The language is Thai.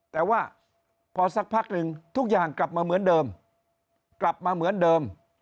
แต่ว่าพอสักพักหนึ่งทุกอย่างกลับมาเหมือนเดิม